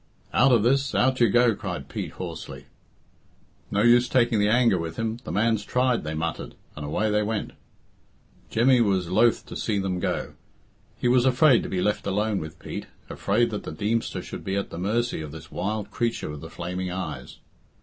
"Out of this! Out you go!" cried Pete hoarsely. "No use taking the anger with him the man's tried," they muttered, and away they went. Jemmy was loth to see them go. He was afraid to be left alone with Pete afraid that the Deemster should be at the mercy of this wild creature with the flaming eyes.